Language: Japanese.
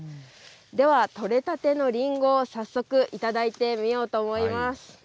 では、取れたてのりんごを早速頂いてみようと思います。